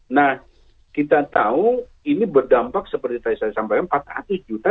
nah kita tahu ini berdampak seperti tadi saya sampaikan empat ratus juta